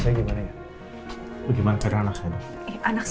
nah ini cuman an energies aku divormi supaya aku nggak tasik